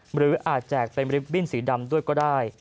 หรืออาจแจกเป็นลิฟตบิ้นสีดำด้วยก็ได้